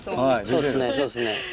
そうですねそうですね。